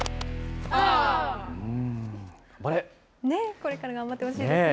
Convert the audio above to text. これから頑張ってほしいですね。